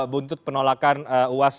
buntut penolakan uas